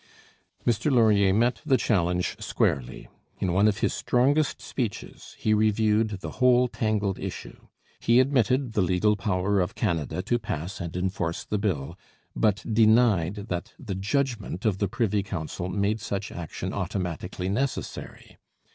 Mr Laurier met the challenge squarely. In one of his strongest speeches he reviewed the whole tangled issue. He admitted the legal power of Canada to pass and enforce the bill, but denied that the judgment of the Privy Council made such action automatically necessary.